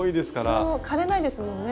枯れないですもんね。